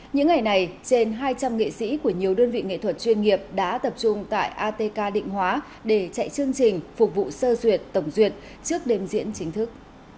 những ngày này trên hai trăm linh nghệ sĩ của nhiều đơn vị nghệ thuật chuyên nghiệp đã tập trung tại atk định hóa để chạy chương trình phục vụ sơ duyệt tổng duyệt trước đêm diễn chính thức